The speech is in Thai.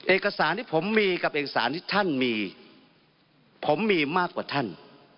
เอกสารที่ผมมีกับเอกสารที่ท่านมีผมมีมากกว่าท่าน